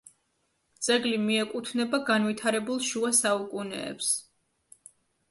ძეგლი მიეკუთვნება განვითარებულ შუა საუკუნეებს.